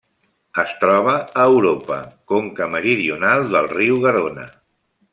Es troba a Europa: conca meridional del riu Garona.